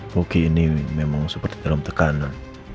hoki ini memang seperti dalam tekanan